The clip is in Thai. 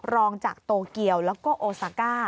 รองจากโตเกียวและโอซาคา